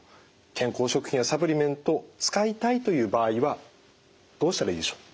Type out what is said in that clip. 健康食品やサプリメント使いたいという場合はどうしたらいいでしょう？